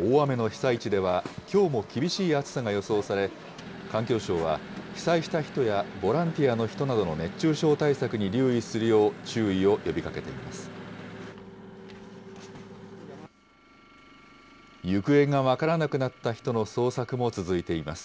大雨の被災地では、きょうも厳しい暑さが予想され、環境省は被災した人やボランティアの人などの熱中症対策に留意するよう注意を呼びかけています。